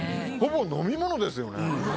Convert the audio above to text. ほぼ飲み物ですよね。